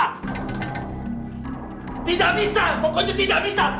tidak bisa pokoknya tidak bisa